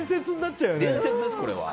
伝説です、これは。